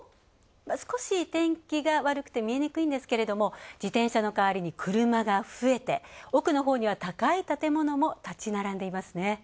少し天気が悪くて見えにくいんですけれども、自転車の代わりに車が増えて、奥のほうには高い建物も立ち並んでいますね。